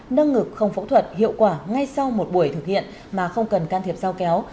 nâng ngực không phẫu thuật hiệu quả ngay sau một buổi thực hiện mà không cần can thiệp giao kéo